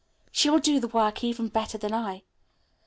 She will do the work even better than I.